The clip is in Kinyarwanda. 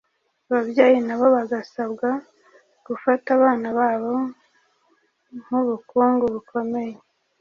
Ababyeyi na bo bagasabwa gufata abana babo nk’ubukungu bukomeye